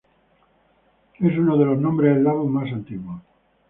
Es uno de los nombres eslavos más antiguos.